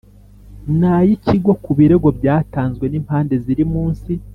n ay Ikigo ku birego byatanzwe n impande ziri munsi